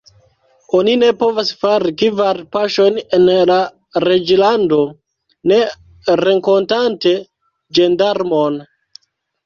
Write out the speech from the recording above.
Oni ne povas fari kvar paŝojn en la reĝlando, ne renkontante ĝendarmon.